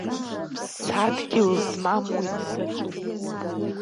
Ԥсадгьыл змам уи дзаҵәуп…